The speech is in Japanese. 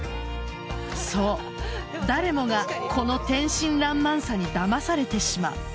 そう、誰もがこの天真爛漫さにだまされてしまう。